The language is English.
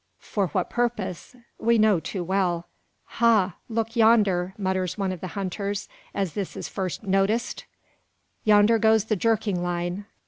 For what purpose? We know too well. "Ha! look yonder!" mutters one of the hunters, as this is first noticed; "yonder goes the jerking line!